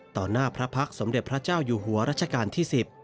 หน้าพระพักษ์สมเด็จพระเจ้าอยู่หัวรัชกาลที่๑๐